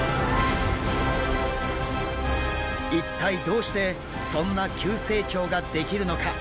一体どうしてそんな急成長ができるのか？